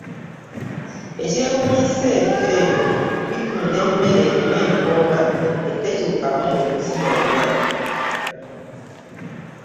Ekyewunyisa ebifo ebyo bitunda emmere erina empooma etekyukamu mu nsi yonna.